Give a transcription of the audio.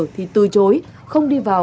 thì từ chối không đi vào